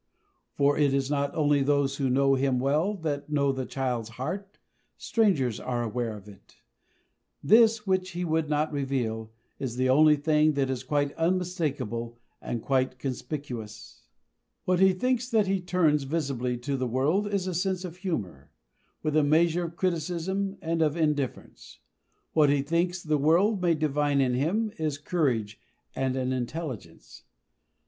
For it is not only those who know him well that know the child's heart; strangers are aware of it. This, which he would not reveal, is the only thing that is quite unmistakable and quite conspicuous. What he thinks that he turns visibly to the world is a sense of humour, with a measure of criticism and of indifference. What he thinks the world may divine in him is courage and an intelligence.